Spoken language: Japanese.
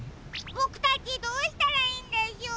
ボクたちどうしたらいいんでしょう？